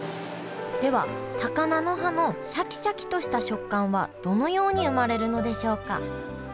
では高菜の葉のシャキシャキとした食感はどのように生まれるのでしょうか。